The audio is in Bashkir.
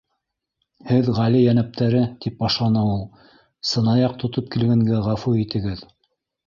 —Һеҙ Ғали Йәнәптәре, —тип башланы ул, —сынаяҡ тотоп килгәнгә ғәфү итегеҙ.